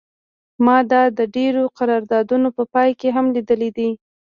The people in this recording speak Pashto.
ما دا د ډیرو قراردادونو په پای کې هم لیدلی دی